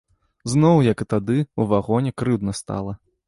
Зноў, як і тады, у вагоне, крыўдна стала.